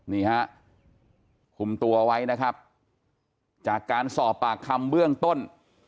นี่ฮะคุมตัวไว้นะครับจากการสอบปากคำเบื้องต้น